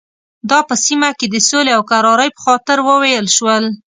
دا په سیمه کې د سولې او کرارۍ په خاطر وویل شول.